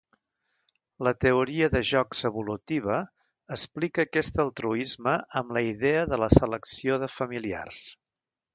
La teoria de jocs evolutiva explica aquest altruisme amb la idea de la selecció de familiars.